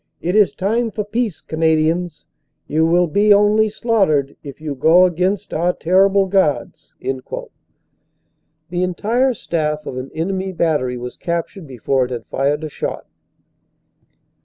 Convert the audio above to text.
"It is time for peace, Canadians; you will be only slaughtered if you go against our terrible Guards." The entire staff of an enemy battery was captured before it had fired a shot.